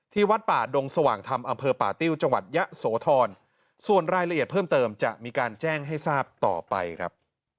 วัดป่าดงสว่างธรรมอำเภอป่าติ้วจังหวัดยะโสธรส่วนรายละเอียดเพิ่มเติมจะมีการแจ้งให้ทราบต่อไปครับ